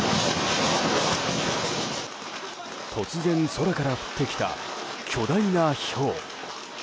突然、空から降ってきた巨大なひょう。